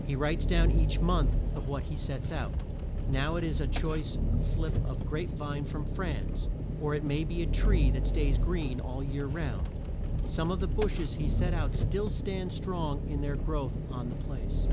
He writes down each month of what he sets out; now it is a choice slip of grape vine from France; or it may be a tree that stays green all the year round. Some of the bushes he set out still stand strong in their growth on the place.